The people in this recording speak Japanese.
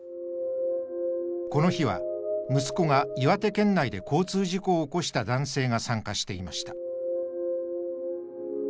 この日は息子が岩手県内で交通事故を起こした男性が参加していました。